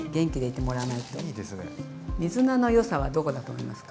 水菜の良さはどこだと思いますか？